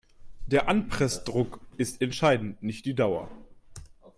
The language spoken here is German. Der Anpressdruck ist entscheidend, nicht die Dauer.